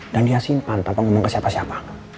dan dia simpan tanpa ngomong ke siapa siapa